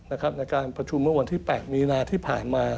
ในการประชุมเมื่อวันที่๘มีนาที่ผ่านมา